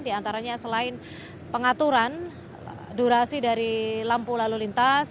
di antaranya selain pengaturan durasi dari lampu lalu lintas